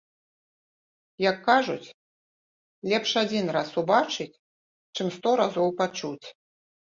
Як кажуць, лепш адзін раз убачыць, чым сто разоў пачуць.